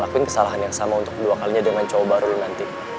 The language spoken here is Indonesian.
tapi gue ingin kesalahan yang sama untuk dua kalinya dengan cowok baru nanti